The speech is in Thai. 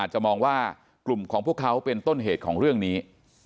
จะมองว่ากลุ่มของพวกเขาเป็นต้นเหตุของเรื่องนี้